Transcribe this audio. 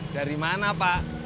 dari mana pak